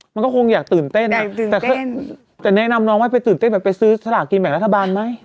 มันก็คงอยากตื่นเต้นแต่แนะนำน้องว่าไปตื่นเต้นแบบไปซื้อสลากกินแบ่งรัฐบาลไหม